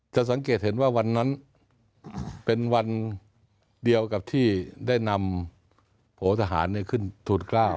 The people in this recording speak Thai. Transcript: จะสังเกตเห็นว่าวันนั้นเป็นวันเดียวกับที่ได้นำโผทหารขึ้นทูล๙